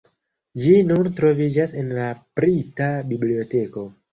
Ĝi nun troviĝas en la Brita Biblioteko.